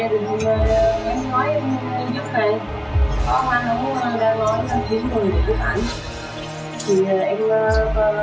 có không anh không có